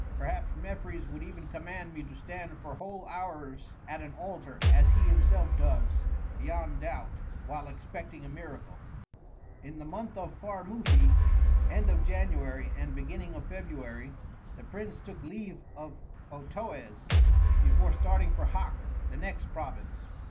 Perhaps Mefres would even command me to stand for whole hours at an altar, as he himself does, beyond doubt, while expecting a miracle." In the month Pharmuthi (end of January and beginning of February) the prince took leave of Otoes, before starting for Hak, the next province.